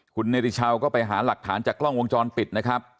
คุณเนติชาวก็ไปหาหลักฐานจากกล้องวงจรปิดนะครับ